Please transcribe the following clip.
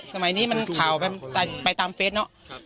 สมัยนี้มันข่าวไปตามเฟสเนาะ